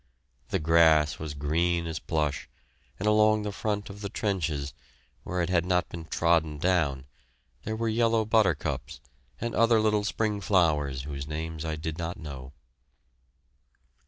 The grass was green as plush, and along the front of the trenches, where it had not been trodden down, there were yellow buttercups and other little spring flowers whose names I did not know.